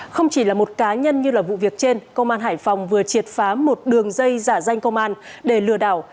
không chỉ là một cá nhân như vụ việc trên công an hải phòng vừa triệt phá một đường dây giả danh công an để lừa đảo